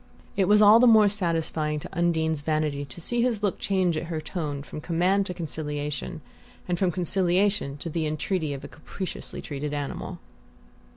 It was all the more satisfying to Undine's vanity to see his look change at her tone from command to conciliation, and from conciliation to the entreaty of a capriciously treated animal.